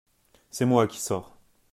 C’est moi qui sors…